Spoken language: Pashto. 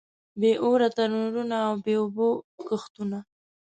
بې اوره تنورونه او بې اوبو کښتونه.